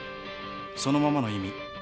そのままの意味。